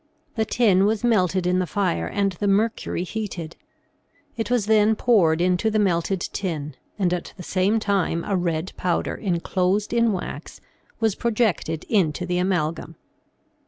The tin was melted in the fire and the mercury heated. It was then poured into the melted tin, and at the same time a red powder enclosed in wax was projected into the amalgam.